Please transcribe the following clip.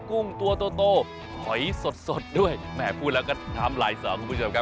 กุ้งตัวโตหอยสดสดด้วยแหมพูดแล้วก็น้ำลายสอคุณผู้ชมครับ